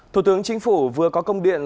thủ tướng chính phủ vừa có công điện